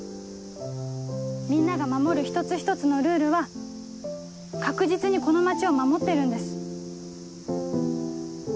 みんなが守る一つ一つのルールは確実にこの街を守ってるんです。